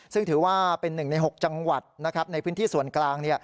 ซึ่งถือว่าเป็น๑ใน๖จังหวัดในพื้นที่ส่วนกลาง